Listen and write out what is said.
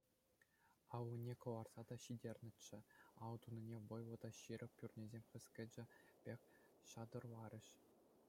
Аллине кӑларса та ҫитернӗччӗ, ал тунине вӑйлӑ та ҫирӗп пӳрнесем хӗскӗчӗ пек ҫатӑрларӗҫ.